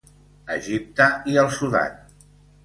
Egipte i el Sudan.